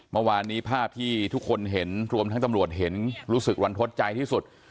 เมื่อวานนี้ภาพที่ทุกคนเห็นรวมทั้งตำรวจเห็นรู้สึกรันทดใจที่สุด